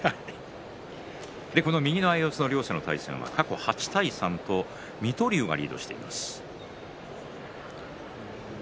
右の相四つの両力士過去８回戦で水戸龍がリードしています。